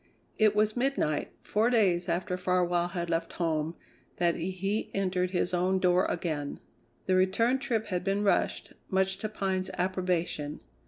It was midnight, four days after Farwell had left home, that he entered his own door again. The return trip had been rushed, much to Pine's approbation.